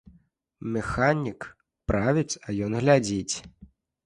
Механік правіць, а ён глядзіць.